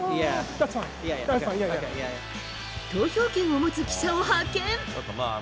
投票権を持つ記者を発見。